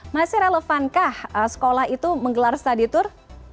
masih relevankah sekolah itu menggelar study tour